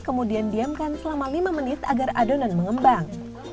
kemudian diamkan selama lima menit agar adonan mengembang